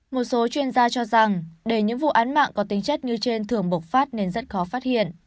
một số chuyên gia cho rằng để những vụ án mạng có tính chất như trên thường bộc phát nên rất khó phát hiện